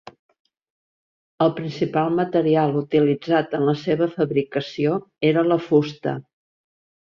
El principal material utilitzat en la seva fabricació era la fusta.